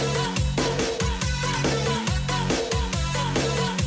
สุดชาติเจอกันใหม่